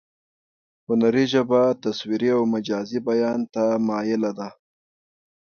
هنري ژبه تصویري او مجازي بیان ته مایله ده